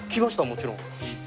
もちろん。